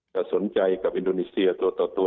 จะสนใจกับอินโดนีเซียตัวต่อตัว